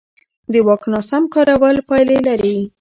د واک ناسم کارول پایلې لري